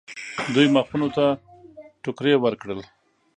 دوی مخونو ته ټکرې ورکړل.